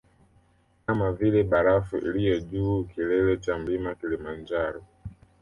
Kama vile barafu iliyo juu kilele cha mlima kilimanjaro